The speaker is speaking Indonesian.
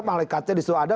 malekatnya disitu ada